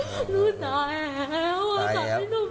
หนูตายแล้ว